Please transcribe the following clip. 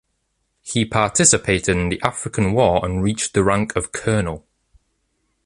He participated in the African War and reached the rank of Colonel.